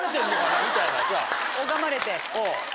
拝まれて。